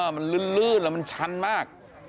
มันลื่นแล้วมันชั้นมาก